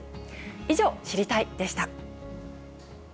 以上、知りたいッ！でした。